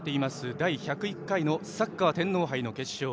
第１０１回のサッカー天皇杯決勝。